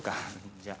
じゃあ。